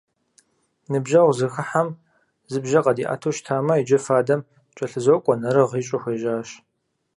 Ныбжьэгъу зэхыхьэм зы бжьэ къадиӏэту щытамэ, иджы фадэм кӏэлъызокӏуэ, нэрыгъ ищӏу хуежьащ.